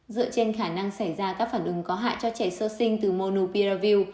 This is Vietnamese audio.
dựa trên khả năng xảy ra các phản ứng có hại cho trẻ sơ sinh từ monupiravir